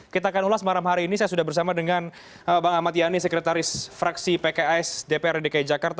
kita akan ulas malam hari ini saya sudah bersama dengan bang ahmad yani sekretaris fraksi pks dprd dki jakarta